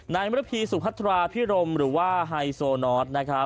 นายมรพีสุพัทราพิรมหรือว่าไฮโซนอสนะครับ